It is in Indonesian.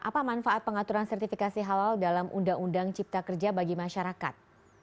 apa manfaat pengaturan sertifikasi halal dalam undang undang cipta kerja bagi masyarakat